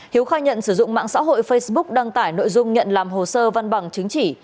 hiếu khai nhận sử dụng mạng xã hội facebook đăng tải nội dung nhận làm hồ sơ văn bằng chứng chỉ